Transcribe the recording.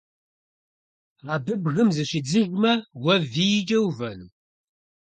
Абы бгым зыщидзыжмэ, уэ вийкӀэ увэну?